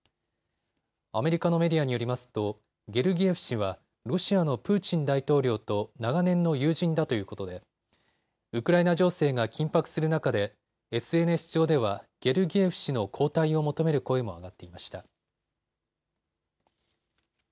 アメリカのメディアによりますとゲルギエフ氏はロシアのプーチン大統領と長年の友人だということでウクライナ情勢が緊迫する中でＳＮＳ上ではゲルギエフ氏の交代を求める声も上がっていました。